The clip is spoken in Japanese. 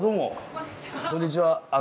こんにちは。